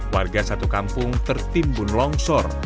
warga satu kampung tertimbun longsor